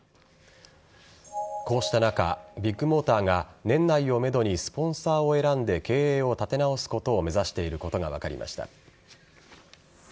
こうした中、ビッグモーターが年内をめどにスポンサーを選んで経営を立て直すことを目指していることが分かりました。